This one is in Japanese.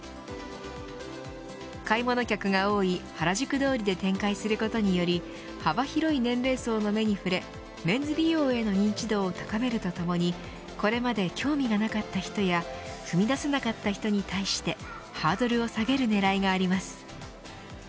買い物客が多い原宿通りで展開することにより幅広い年齢層の目に触れメンズ美容への認知度を高めるとともにこれまで興味がなかった人や踏み出せなかった人に対してハードルを下げるねらいがあります。